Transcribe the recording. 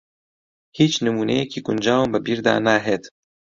ھیچ نموونەیەکی گونجاوم بە بیردا ناھێت.